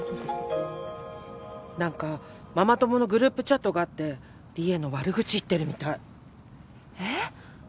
なんかママ友のグループチャットがあって、利恵の悪口言ってるみたい。